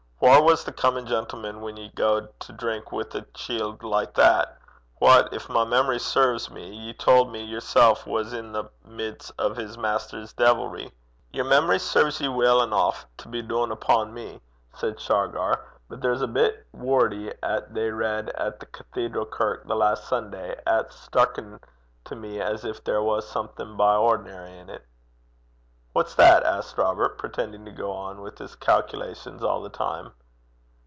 Whaur was the comin' gentleman whan ye gaed to drink wi' a chield like that, wha, gin my memory serves me, ye tauld me yersel' was i' the mids o' a' his maister's deevilry?' 'Yer memory serves ye weel eneuch to be doon upo' me,' said Shargar. 'But there's a bit wordy 'at they read at the cathedral kirk the last Sunday 'at's stucken to me as gin there was something by ordinar' in 't.' 'What's that?' asked Robert, pretending to go on with his calculations all the time.